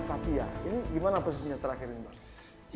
katia ini gimana posisinya terakhir ini